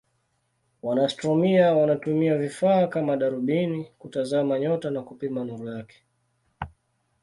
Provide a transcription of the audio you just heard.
Wanaastronomia wanatumia vifaa kama darubini kutazama nyota na kupima nuru yake.